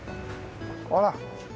ほら。